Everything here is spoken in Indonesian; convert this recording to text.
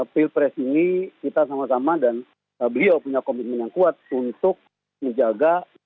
pilpres ini kita sama sama dan beliau punya komitmen yang kuat untuk menjaga